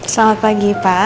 selamat pagi pak